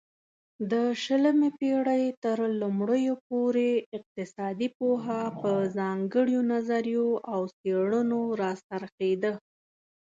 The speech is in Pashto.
د شلمې پيړۍ ترلومړيو پورې اقتصادي پوهه په ځانگړيو نظريو او څيړنو را څرخيده